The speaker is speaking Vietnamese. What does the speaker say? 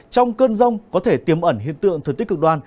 trong cơn rông có thể tiêm ẩn hiện tượng thừa tích cực đoan